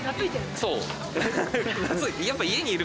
そう。